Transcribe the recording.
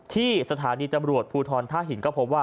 ที่สถานีตำรวจภูทรท่าหินก็พบว่า